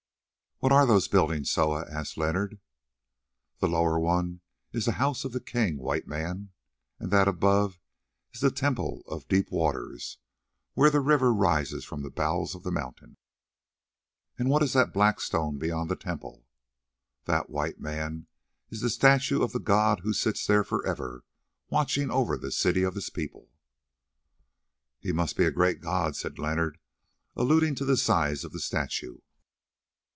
"What are those buildings, Soa?" asked Leonard. "The lower one is the house of the king, White Man, and that above is the Temple of Deep Waters, where the river rises from the bowels of the mountain." "And what is the black stone beyond the temple?" "That, White Man, is the statue of the god who sits there for ever, watching over the city of his people." "He must be a great god," said Leonard, alluding to the size of the statue.